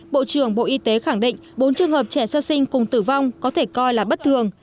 bộ trưởng bộ y tế khẳng định bốn trường hợp trẻ sơ sinh cùng tử vong có thể coi là bất thường